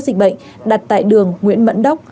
dịch bệnh đặt tại đường nguyễn mẫn đốc